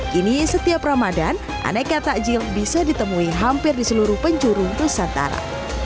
kini setiap ramadan aneka takjil bisa ditemui hampir di seluruh penjuru nusantara